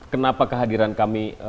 kenapa kehadiran kami